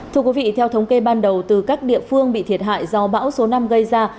thưa quý vị theo thống kê ban đầu từ các địa phương bị thiệt hại do bão số năm gây ra